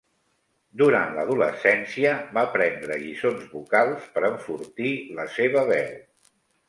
Durant l'adolescència va prendre lliçons vocals per enfortir la seva veu.